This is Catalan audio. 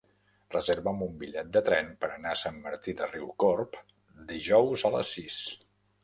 Reserva'm un bitllet de tren per anar a Sant Martí de Riucorb dijous a les sis.